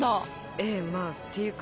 ええまぁっていうか